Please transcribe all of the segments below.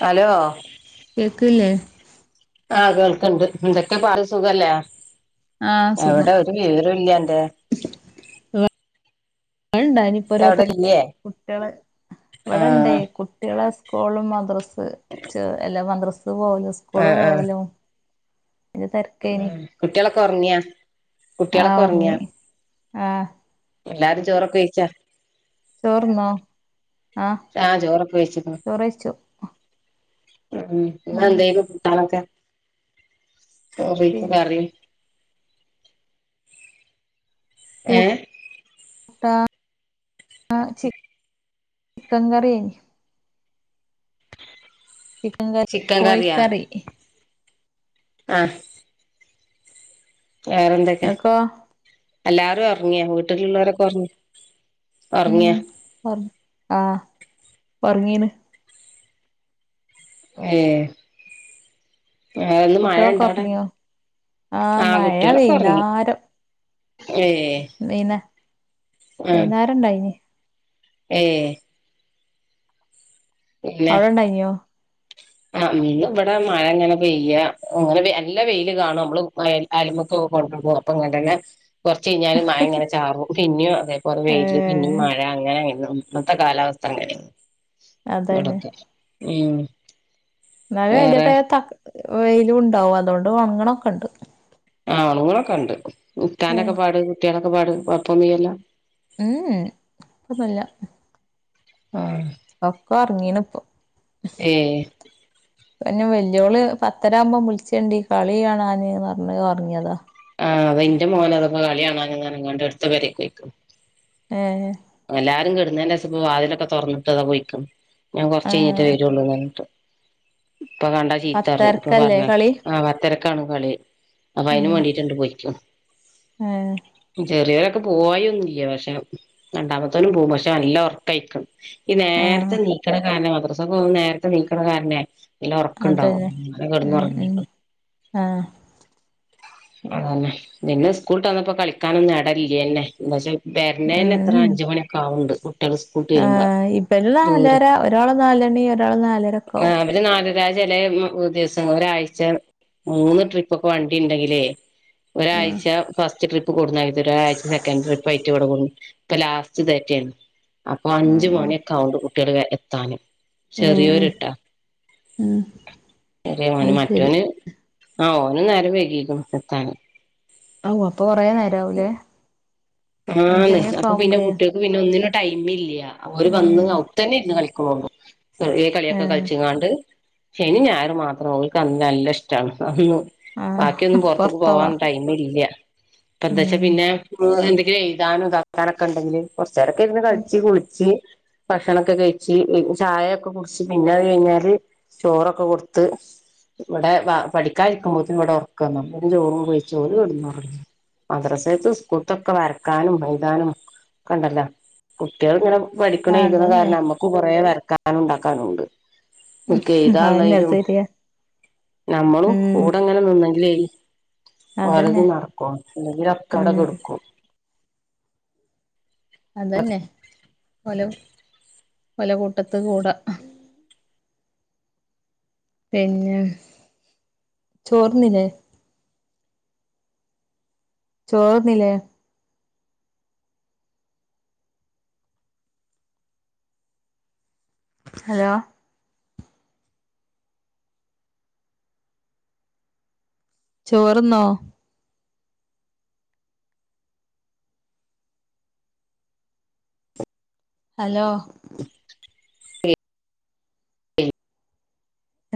Hello കേക്ക്ല്ലേ ആഹ് കേൾക്കുണ്ട് എന്തൊക്കെ പറ സുഖല്ലേ ആഹ് സുഖം എവിടെ ഒരു വിവരവും അന്റെ ഇവണ്ട നിഇപ്പോ ഇജ്ജ് അവിടെ ഓരോരുത്തര് ഇല്ലേ കുട്ടികള് ഇവിടെണ്ടേ ആഹ് കുട്ടികളെ സ്കു സുകൂളും മദ്രസ്യും ചെ എല്ലാ മദ്രസ് പോവലും സ്കൂള് ആഹ് ആഹ് പോവലും അയിന്റെ തെരക്കേനി ഉം കുട്ടികളൊക്കെ ഒറങ്ങിയാ ആഹ് ഒറങ്ങി ആഹ് എല്ലാരും ചോറൊക്കെ കഴിച്ചാ ചോറ് ഉണ്ണോ ആഹ് ചോറൊക്കെ വെയ്ച്ച്ക്ക്ണ് ചോറ് കഴിച്ചു ഉം ഇന്ന് എന്തേന്നു കൂട്ടാനൊക്കെ ചോറ് വെപ്പ് പിന്നെ കറി ഏഹ് കൂട്ടാൻ ചി ചിക്കൻ കറിയെ ചിക്കൻ കറി ചിക്കൻ കറിയാ കോഴിക്കറി ആഹ് വേറെന്തൊക്കെ ഇങ്ങക്കോ എല്ലാരും ഉറങ്ങിയാ വീട്ടിലുള്ളവരൊക്കെ ഉറങ്ങി ഉം ഉറങ്ങിയാ പറ ആഹ് ഉറങ്ങിയാണ് ഉം മഴ കുട്ടികളൊക്കെ ഉണ്ടോ അവിടെ ഒറങ്ങിയോ ആഹ് മഴ കുട്ടികളെക്കെ ഉറങ്ങി വൈന്നേരം ആഹ് വൈന്നേ വൈന്നേരം ഇണ്ടായിനി ഏ അവിടെ ഉണ്ടായിനിയോ ആഹ് ഇവിടെ മഴ ഇങ്ങനെ പെയ്യാ അങ്ങനെ നല്ല വെയില് കാണും നമ്മള് മഴ അലമുക്ക് കൊണ്ട് പോ അപ്പൊ ഇങ്ങനെ തന്നെ കുറ ച്ച് കഴിഞ്ഞാല് മഴങ്ങനെ ചാറും പിന്നെയും അതേപോലെ ഏ വെയില് പിന്നേ മഴ അങ്ങനെയങ്ങനെ ഇന്നത്തെ കാലാവസ്ഥ അങ്ങനെ അതന്നെ ഇവിടുത്തെ ഉം മഴ വേറെ കഴഞ്ഞിട്ട് ത വെയിലും ഉണ്ടാവും അതുകൊണ്ട് ഉണങ്ങണൊക്കെ ഉണ്ട് ആഹ് ഉണ്ങ്ങണക്കെയുണ്ട് [unintelligible] കുട്ട്യാളൊക്കെ ആഹ് പാട്. കൊയപ്പനും ഇല്ലല്ലോ ഉംഉം പ്പന്നുല്ല ആഹ് [unintelligible] ആഹ് പിന്നെ വല്യോള് പത്തരാകുമ്പോ വിളിച് കളിയണന്ന് പറഞ്ഞ് ഉറങ്ങിയതാ ആഹ് അത് എന്റെ മോന കളി കാണാൻ ന്ന് പറഞ്ഞു എടുത്ത പെരേക്ക് പൊയ്ക്കണ് ഏ എല്ലാരും കിടുന്നതിന്റെശേഷം ഇപ്പ വാതിലൊക്കെ തുറന്നിട്ട്താ പോയക്കും ഞാൻ കുറച്ചു ആ കഴിഞ്ഞിട്ട് വരുള്ളൂന്ന് പറഞ്ഞിട്ട് ഇപ്പൊ കണ്ടാ ചീത്ത പറഞ്ഞു ഇപ്പൊ പത്തരക്കല്ലേ പറഞ്ഞ കളി ആഹ് പത്തരക്കാണ് കളി അപ്പൊ അതിന് ഉം വേണ്ടീട്ട് പോയിക്ക ഏ ചെറിയ പോയൊന്നും ഇല്ല പക്ഷേ രണ്ടാമത്തോനും പോവും പക്ഷേ നല്ല ഉറക്കായിക്കും ഈ നേരത്തെ ആഹ് നീക്കണ കാരനെ മദൃസഘംന്ന് നേരത്തെ നീക്കണ കാരനെ ല്ല ഒറക്കുണ്ടാവും അതന്നെ അങ്ങനെ കിടന്ന് ഉം ഉം ഒറങ്ങീക്ക്ണ് ആഹ് ആഹ് നിങ്ങള് സ്കൂളുട്ട് വന്നപ്പോ കളിക്കാനൊന്നും എടല്ലല്ലേ എന്താച്ച വെരന്നേനത്ര ഉം അഞ്ച് മണിയൊക്കെ ആവ്ണ്ട്. ട്ട്യാള് സ്കൂളുട്ട് ആ വരുമ്പോ ഇബല് ളുഹ്റ് നാലര ഒരാള് നാലണി ഒരാള് നാലരൊക്കെ ആവും ആഹ് അവര് നാലര ചില മ്മ് ദിവസം ഒരാഴ്ച മൂന്ന് ട്രിപ്പൊക്കെ വണ്ടി ഇണ്ടെങ്കിലേ ആഹ് ഒരാഴ്ച ഫസ്റ്റ് ട്രിപ്പ് കൊടുന്നാക്കിത്തരും ഒരാഴ്ച സെക്കൻഡ് ട്രിപ്പ് ആയിട്ട് വടും ഇപ്പൊ ലാസ്റ്റ് ഇതേറ്റേണ് അപ്പൊ അഞ്ച് ആഹ് മണിഒക്കാവുണ്ട് കുട്ട്യാള് എത്താനും ആഹ് ഏ ചെറിയോരിട്ടാ ഉം ചെറേ മോന് അത് ശരി മറ്റോന് ആ ഓനും നേരം വൈകീക്ക്ണ് എത്താന്. ഔ അപ്പൊ കൊറേ നേരാവുലേ ആന്ന് അപ്പൊ പിന്നെ കുട്ട്യാൾക്ക് പിന്നെ ഒന്നിനും ടൈം ഇല്ല്യ. ഓര് വന്ന് ഉം അവുട്തന്നെ ഇരുന്ന് കളി കോങ്കോ ഈ കളിയൊക്കെ ഏഹ് കളിച്ച്ങ്ങാണ്ട് ശനീം ഞായറും മാത്രം ഓൽക്കന്ന് നല്ലഷ്ട്ടാണ് അന്ന് ആഹ് ബാക്കിയൊന്നും പുറത്ത്ക്ക് പൊറത്തോവാ പോവാൻ ടൈമില്ല്യ പ്പൊന്താച്ചാ ഉം പിന്നെ മൂന്നാളും ന്തേലും എയ്‌താനും ഇതാക്കാനൊക്കെ ഇണ്ടെങ്കില് കൊറച്ചേരൊക്കെരിന്ന് കളിച്ച് കുളിച്ച് ഭക്ഷണൊക്കെ കയിച്ച് ചായൊക്കെ കുടിച്ച് പിന്നെ അത് കഴിഞ്ഞാല് ചോറൊക്കെ കൊടുത്ത് ഇവടെ വ പഠിക്കാഇരിക്കുമ്പോത്തിന് ഇവിടെ ഉറക്കന്ന് അപ്പൊക്ക് ചോറും വെയിച്ച് ഓല് കെടന്നുറങ്ങി മദ്റസേതേം സ്കൂള്ത്തൊക്കെ വരക്കാനുംമെയ്താനും ക്കണ്ടല്ലാ കുട്ട്യാളിങ്ങനെ പഠിക്കണീം എയ്തിണീം അതന്നെ കാരല്ല്യ മ്മക്കും കൊറേ വരക്കാനുണ്ടാക്കാനൂണ്ട്. ഒക്കെ അതന്നെ എയ്താള്ളയ്ലും ശരിയാ ഞമ്മളും ഉം കൂടെങ്ങനെ നിന്ന ല്ലേയ് ഓലത് അതന്നെ നടക്കും ഉം ഇല്ലെങ്കിലൊക്കവടെകെട്ക്കും. അതെന്നെ ഓലെ ഓലെ കൂട്ടത്ത് കൂടാ പിന്നെ ചോറ്ന്നിലേ? ചോറ്ന്നിലേ ഹലോ ചോറ്ന്നോ? അലോ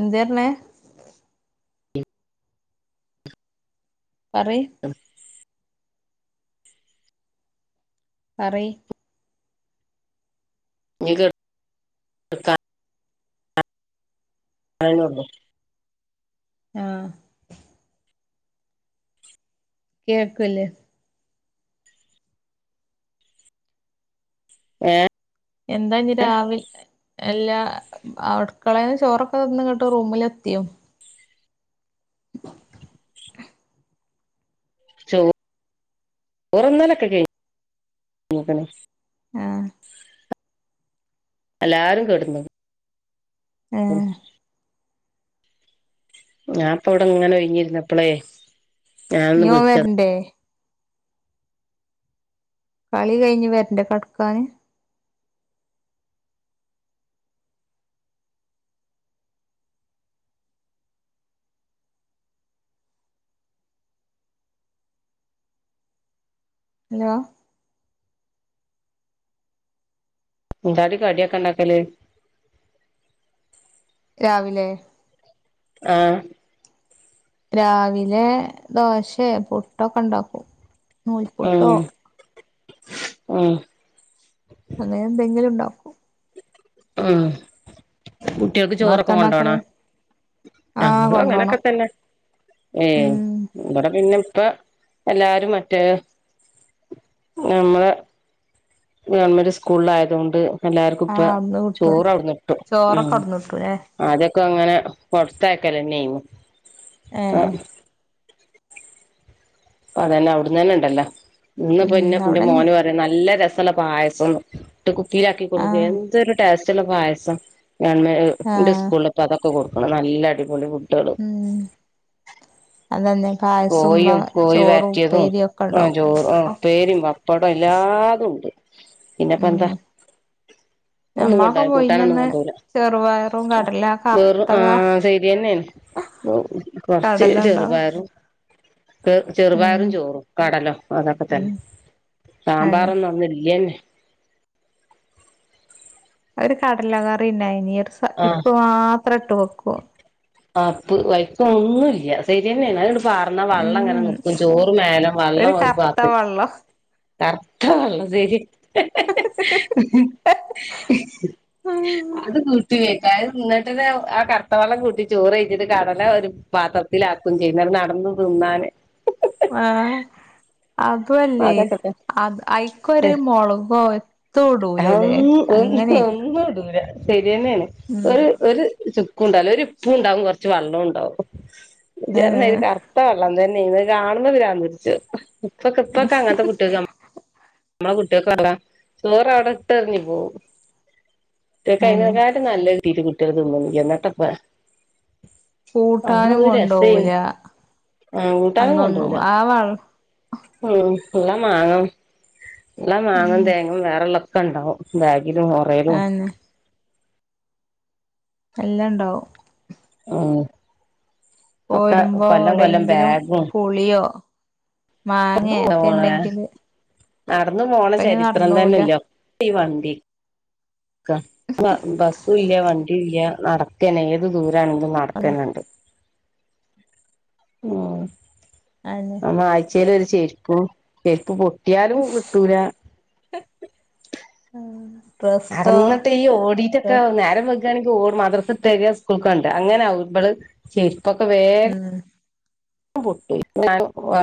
എന്ത്യേറ്ഞ്ഞേ പറി പറി ഇഞ്ഞ് [unintelligible] അയന്നൊള്ളു ആഹ് കേൾക്ക്ല്ലേ ഏഹ് എന്താഞ്ഞ് രാവില്തെ എല്ലാ അ മ് അട്ക്കളേന്ന് ചോറൊക്ക തിന്നങ്ങാട്ട് റൂമിലെത്തിയോ ചോ ചോറ്ന്നലൊക്കെ കഴിഞ്ഞ്ക്ക്ണ് ആഹ് എല്ലാരും കെട്ന്നു ഏഹ് ഞാന്പ്പവടെങ്ങനെ ഒയിഞ്ഞ്ര്ന്നപ്പളേ ഇഞ്ഞോൻ വെര്ന്റെ കളി കഴിഞ്ഞ് വെര്ന്റെ കട്ക്കാന് ഹലോ എന്താടി കടിയൊക്കണ്ടാക്കല് രാവിലെ ആഹ് രാവിലെ ദോശയോ പുട്ടൊക്കെ ഉണ്ടാക്കും. നൂൽപ്പുട്ടോ ഉം ഉം അങ്ങനെ എന്തെങ്കിലും ഉണ്ടാക്കും. ഉം കുട്ടികൾക്ക് ചോറൊക്കെ ഇങ്ങളെത്താ കൊണ്ട് പോണോ? ഇണ്ടാക്കല് ആഹ് നമ്മളും അങ്ങനൊക്കെ കൊണ്ടോണം തന്നെ ഏഹ് ഉം ഇവിടെ പിന്നെ. ഇപ്പൊ എല്ലാരും മറ്റേ നമ്മള്. ഗവൺമെന്റ് സ്കൂളിലായതു കൊണ്ട്. എല്ലാവർക്കും ഇപ്പോ ആഹ് അവ്ട്ന്ന് കിട്ടും ചോറ് അവിടുന്ന് കിട്ടും, ഉം ചോറൊക്കെ അവ്ട്ന്ന് കിട്ടൂലേ ആദ്യം ഒക്കെ അങ്ങനെ പുറത്തെ. ക്കലായിരുന്നു. ഏഹ് അതന്നെ അവിടുന്ന് തന്നെ ഉണ്ടല്ലോ, ഇന്നിപ്പോ എന്നെ ഉം എന്റെ അവ്ടെന്നെ മോന് പറയാ നല്ലരസം. യുള്ള പായസം എന്ന്, എന്നിട്ട് കുപ്പിയിലാക്കി കൊണ്ടുവന്നു ആഹ് എന്തൊരു ടേസ്റ്റ് ഉള്ള പായസം. ഗവണ്മെന്റ് ആഹ് സ്കൂളിൽ ഇപ്പോ അതൊക്കെ കൊടുക്കണം, നല്ല അടിപൊളി ഫുഡുകള്. ഉം അതന്നെ പായസും ബ കോഴിയും കോഴി ചോറും വരട്ടിയതു, ഉപ്പേരി ഒക്കെ ആഹ് ഇണ്ടാവും ചോ ഉപ്പേരിയും പപ്പടവും എല്ലാതുണ്ട്. പിന്നെപ്പൊ എന്താ. ഉം ഒന്നും കൊണ്ടോ ഞമ്മളൊക്കെ കൂട്ടാനൊന്നും പോയിനന്ന് കൊണ്ടോവില്ല, ചെറുപയറും കടല വെറും കർത്ത ആഹ് അത് ശരി തന്നെയാണ്. ഇപ്പൊ കൊറച്ച് കടലണ്ടോ ചെറുപയറും. ചെ ഉം ചെറുപയറും ചോറും കടല അതൊക്കെ ഉം തന്നെ. അന്നെ സാമ്പാറൊന്നും ഒന്നുല്ല്യന്നെ. അവര് കടല കറിയുണ്ടായിനി ഒരു സാ ആഹ് ഇപ്പ് മാത്രം ഇട്ട് വെക്കൂ. ആപ്പ് വൈക്കാ ഒന്നുല്ല്യ ശരിന്നെയാണ് വാർന്നാ വള്ളം ഇങ്ങനെ ഉം നിക്കും ചോറ് മേലം വെള്ളം ഒരു കറുത്ത പാത്ത് വെള്ളം അർത്ഥം ഉള്ളത് അത് [unintelligible] അതായത് [unintelligible] ആ കറുത്ത വെള്ളം കൂട്ടി ചോറ് കഴിച്ചിട്ട് കടല ഒരു പാത്രത്തിൽ ആക്കും ചെയ്യും നടന്ന് തിന്നാന് ആഹ് അതും അല്ലേ അതൊക്കെത്തന്നെ അത് ഐക്കൊര് മുളകോ എതുടൂലല്ലേ അങ്ങനെ ബിരിയാണിയാണ് ഒരു ഒരു ചുക്കും ഉണ്ടാവില്ല ഒരുപ്പും ഉണ്ടാവും കുറച്ച് വെള്ളം ഉണ്ടാവും ഏഹ് [unintelligible] കറുത്ത വെള്ളം തന്നേനി ഇത് കാണുമ്പോ പ്രാന്ത് പുട്ച്ചും ഇപ്പൊക്കെ ഇപ്പൊക്കെ അങ്ങനത്തെ കുട്ടിക നമ്മള കുട്ടിക [unintelligible] ചോറ് അവിടെ ഇട്ടെറിഞ്ഞ് പോവും ട്ട്യാക്ക് അന്നെ അയ്നക്കാട്ടി നല്ല കിട്ടീട്ട് കുട്ട്യാള് തിന്നൂല ന്നട്ടാപ്പോ കൂട്ടാനും കൊണ്ടോവൂല ആഹ് കൂട്ടാനും അന്നൊന്നും കൊണ്ടോവൂല്ല ആ വെള്ളം [unintelligible] എല്ലാം ഉം മാങ്ങും തേങ്ങും വേറൊള്ളൊക്കെണ്ടാവും ബാഗിലും ഒറേലും അന്നെ എല്ലാണ്ടാവും ഉം ഇപ്പൊക്കെ പോരുമ്പോ കൊല്ലം കൊല്ലം എവിടെങ്കിലും ബാഗും പുളിയോ മാങ്ങേ എത്തേ [unintelligible] ഉണ്ടെങ്കില് നടന്ന് പോണ അപ്പയ്ന് ചരിത്രം നടന്നൂല തന്നില്ലാ ഈ വണ്ടി ക പ ബസ്സുല്ല വണ്ടില്ല നടക്കന്നെ ഏത് ദൂ രണ്ടും അതെ നടക്കന്നണ്ട് ഉം അയെന്നെ അന്ന് ആഴ്ചയിൽ ഒരു ചെരുപ്പും ചെരുപ്പ് പൊ ട്ടിയാലും കിട്ടൂല്ല ഡ്രസ്സോ അറന്നിട്ട് ഈ ഓടീട്ടൊക്കെ നേരം വെ ണെങ്കി ഓടും മദ്രസുട്ടര സ്കൂൾക്കണ്ട അങ്ങനാവുമ്പള് ചെരുപ്പൊക്കെ വേഗ ഉം പൊട്ടി ഞാൻ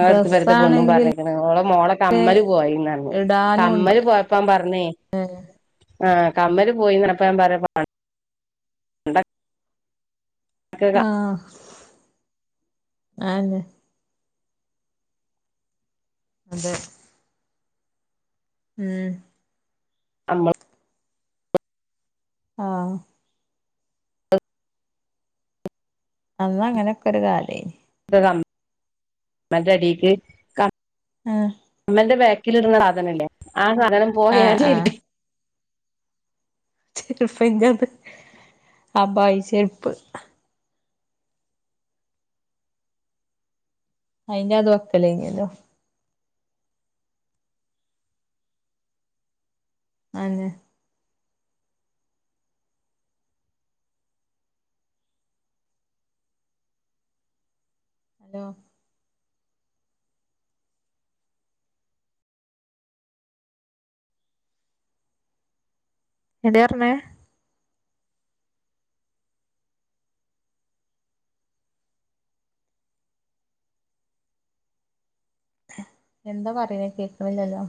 അടുത്ത പെരേത്തെ പെണ്ണും ഡ്രസ്സാണെങ്കില് പറഞ്ഞേക്കണ് ഓളെ മോളെ കമ്മല് പോയിന്ന് പറഞ്ഞു ഇടാനും കമ്മല് ഉണ്ടാവൂല പോയ അപ്പൻ പറഞ്ഞേ ആ കമ്മല് പോയിന്നപ്പ ൻ പറ ആ ആന്നെ അതെ ഉം ആ അന്ന് അങ്ങനെയൊക്കെ ഒരു കാലേനി കമ് മറ്റടീക്ക് ക ആഹ് മന്റെ ബാ ക്കിലിടുന്ന സാധനല്ലേ ആ സാധനം പോയ ആഹ് [unintelligible] ചെരുപ്പ് എത് അബായി ചെരുപ്പ് അയിന്റെ അത് വക്കലേന്യാല്ലോ അതെ ഹലോ എന്താ പറഞ്ഞേ എന്താ പറയണേ കേക്കുന്നില്ലല്ലോ